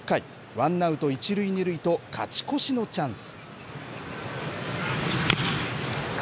ワンアウト一塁二塁と勝ち越しのチャンス。